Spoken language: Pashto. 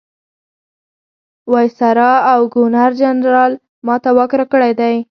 وایسرا او ګورنرجنرال ما ته واک راکړی دی.